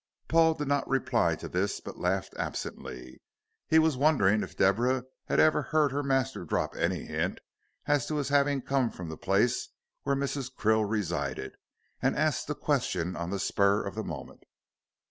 Paul did not reply to this, but laughed absently. He was wondering if Deborah had ever heard her master drop any hint as to his having come from the place where Mrs. Krill resided, and asked the question on the spur of the moment.